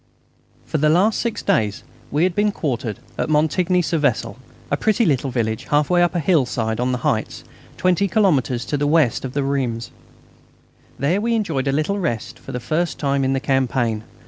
For the last six days we had been quartered at Montigny sur Vesle, a pretty little village half way up a hillside on the heights, 20 kilometres to the west of Reims. There we enjoyed a little rest for the first time in the campaign.